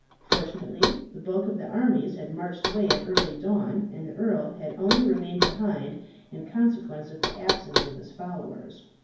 Fortunately the bulk of the armies had marched away at early dawn, and the earl had only remained behind in consequence of the absence of his followers.